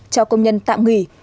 cho công nhân tạm nghỉ